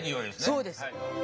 そうです。